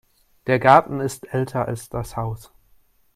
Der Garten ist älter als das Haus.